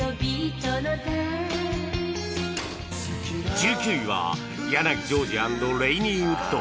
１９位は柳ジョージ＆レイニーウッド